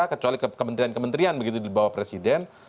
kecuali kementerian kementerian begitu dibawa presiden